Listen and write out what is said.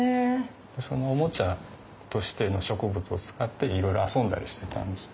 そのおもちゃとしての植物を使っていろいろ遊んだりしてたんです。